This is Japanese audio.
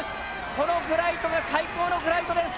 このフライトが最高のフライトです。